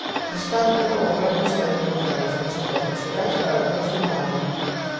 Mentres tanto, o Goberno segue negociando os Presupostos Xerais para o próximo ano.